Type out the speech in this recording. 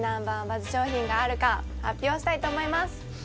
バズ商品があるか発表したいと思います